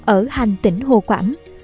ở hành tỉnh hồ quảng